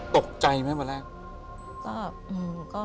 ตกใจไหมวันแรก